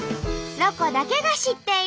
「ロコだけが知っている」。